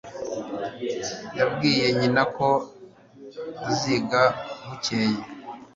yabwiye nyina ko aziga bukeye